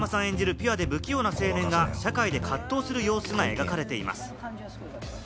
ピュアで不器用な青年が社会で葛藤する様子が描かれています。